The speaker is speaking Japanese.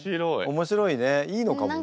面白いねいいのかもね。